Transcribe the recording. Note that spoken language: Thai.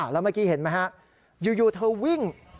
แล้วเมื่อกี้เห็นไหมฮะอยู่เธอวิ่ง